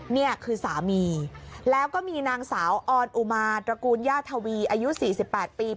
นี่คือสามีแล้วก็มีนางสาวออนอุมาตระกูลย่าทวีอายุ๔๘ปี